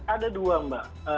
ada dua mbak